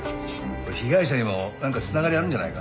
これ被害者にもなんか繋がりあるんじゃないか？